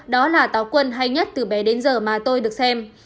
đó là táo quân hay nhất từ bé đến giờ mà tôi được xem